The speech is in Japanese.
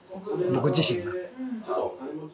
僕自身が。